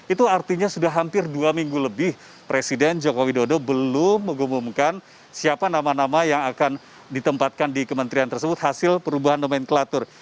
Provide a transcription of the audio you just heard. itu artinya sudah hampir dua minggu lebih presiden joko widodo belum mengumumkan siapa nama nama yang akan ditempatkan di kementerian tersebut hasil perubahan nomenklatur